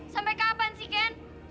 sampai kapan sih ken